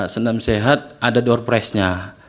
senam sehat ada door price nya